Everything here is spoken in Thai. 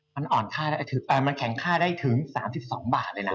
มันแข็งค่าได้ถึง๓๒บาทเลยนะ